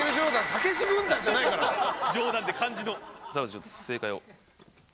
ちょっと正解を。